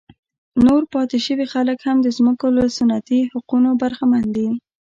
نور پاتې شوي خلک هم د ځمکو له سنتي حقونو برخمن دي.